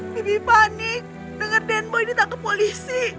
bibi panik denger den boy ditangkap polisi